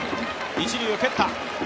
一塁を蹴った。